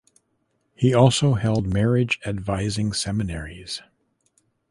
He also held marriage advising seminaries.